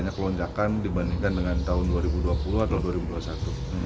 ada lonjakan dibandingkan dengan tahun dua ribu dua puluh atau dua ribu dua puluh satu